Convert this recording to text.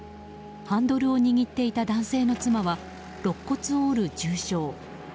ハンドルを握っていた男性の妻はろっ骨を折る重傷。